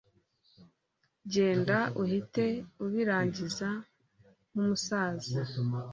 genda uhite ubirangiza nkumusaza